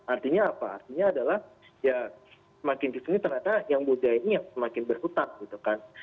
artinya apa artinya adalah ya semakin di sini ternyata yang muda ini yang semakin berhutang gitu kan